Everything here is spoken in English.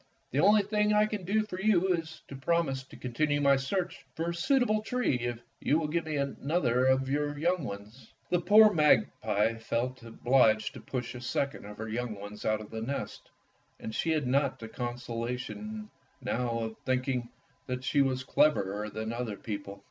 The only thing I can do for you is to promise to continue my search for a suit able tree if you will give me another of your young ones." The poor magpie felt obliged to push a second of her young ones out of the nest, and she had not the consolation now of thinking that she was cleverer than other people.